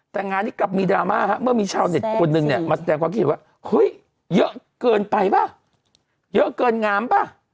แต่งานนี้กลับมีดราม่าฮะเมื่อมีชาวเน็ตคนนึงเนี่ยมาแสดงความคิดว่าเฮ้ยเยอะเกินไปป่ะเยอะเกินงามป่ะ